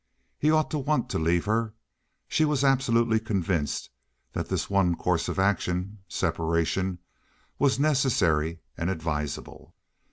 He ought to want to leave her. She was absolutely convinced that this one course of action—separation—was necessary and advisable.